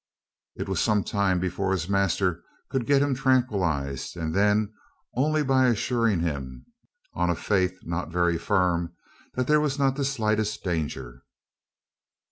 It was some time before his master could get him tranquillised, and then only by assuring him on a faith not very firm that there was not the slightest danger.